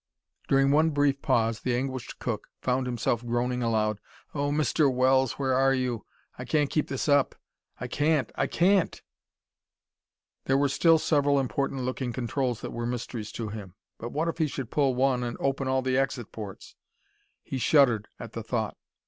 During one brief pause the anguished cook found himself groaning aloud: "Oh, Mr. Wells, where are you? I can't keep this up! I can't! I can't!" There were still several important looking controls that were mysteries to him. But what if he should pull one and open all the exit ports? He shuddered at the thought.